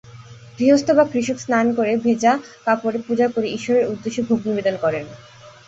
গৃহস্থ বা কৃষক স্নান করে ভেজা কাপড়ে পূজা করে ঈশ্বরের উদ্দেশ্যে ভোগ নিবেদন করেন।